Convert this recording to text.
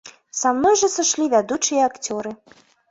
Са мной жа сышлі вядучыя акцёры.